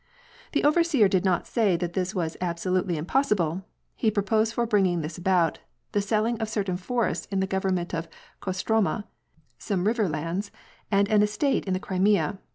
The overseer did not say that this was absolutely impossi ble ; he proposed for bringing this about, the selling of certain forests in the Government of Kostroma, some river lands, and an estate in the Crimea.